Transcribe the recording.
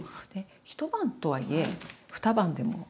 一晩とはいえ二晩でも。